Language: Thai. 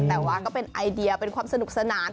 แต่ว่าก็เป็นไอเดียเป็นความสนุกสนาน